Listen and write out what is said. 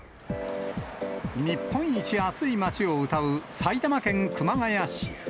日本一暑い町をうたう埼玉県熊谷市。